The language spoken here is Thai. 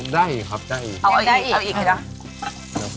อ๋อได้ครับได้อีก